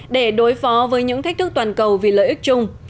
để đối phó với những thách thức toàn cầu vì lợi ích chung